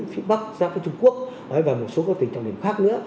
từ phía bắc ra tới trung quốc và một số các tỉnh trọng điểm khác nữa